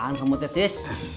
bawa apaan kamu tetis